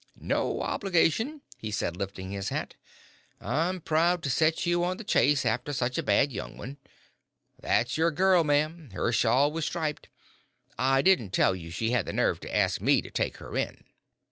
"No obligation," he said, lifting his hat. "I'm proud to set you on the chase after such a bad young one. That's your girl, ma'am. Her shawl was striped. I didn't tell you she had the nerve to ask me to take her in."